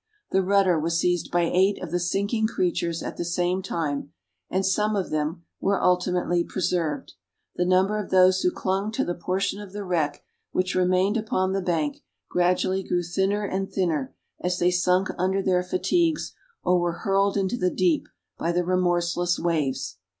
The rudder was seized by eight of the sinking creatures at the same time, and some of them, were ultimately preserved. The number of those who clung to the portion of the wreck which remained upon the bank gradually grew thinner and thinner, as they sunk under their fatigues, or were hurled into the deep by the remorseless waves.